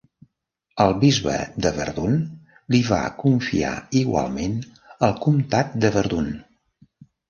El bisbe de Verdun li va confiar igualment el comtat de Verdun.